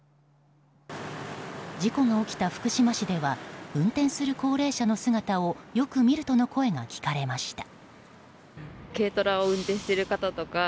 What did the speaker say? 事故が起きた福島市では運転する高齢者の姿をよく見るとの声が聞かれました。